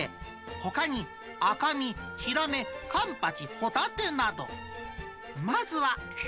ほかに赤身、ヒラメ、カンパチ、ホタテなど。